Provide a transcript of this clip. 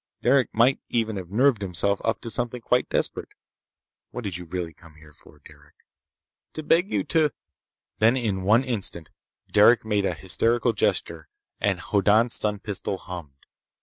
Derec might even have nerved himself up to something quite desperate. "What did you really come here for, Derec?" "To beg you to—" Then, in one instant, Derec made an hysterical gesture and Hoddan's stun pistol hummed.